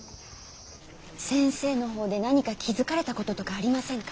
先生の方で何か気付かれたこととかありませんか？